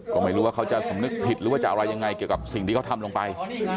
ก็ไม่รู้ว่าเขาจะสำนึกผิดหรือว่าจะอะไรยังไงเกี่ยวกับสิ่งที่เขาทำลงไป